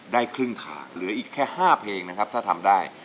ได้ครึ่งขาเหลืออีกแค่๕เพลงนะครับถ้าทำได้